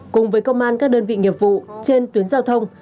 cùng với công an các đơn vị nghiệp vụ trên tuyến giao thông